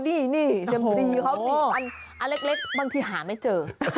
นี่เซียมซีเขาอันเล็กบางทีหาไม่เจอ